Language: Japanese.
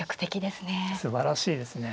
すばらしいですね。